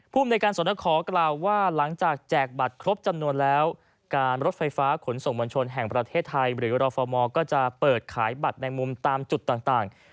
ภูมิในการสนขอกล่าวว่าหลังจากแจกบัตรครบจำนวนแล้วการรถไฟฟ้าขนส่งมวลชนแห่งประเทศไทยหรือรฟมก็จะเปิดขายบัตรในมุมตามจุดต่าง